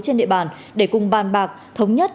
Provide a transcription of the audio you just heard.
trên địa bàn để cùng bàn bạc thống nhất